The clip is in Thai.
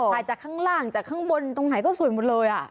ถ่ายจากข้างล่างจากข้างบนตรงไหนก็สวยหมดเลย